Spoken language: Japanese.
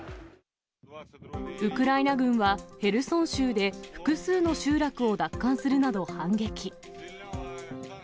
ウクライナ軍は、ヘルソン州で複数の集落を奪還するなど反撃。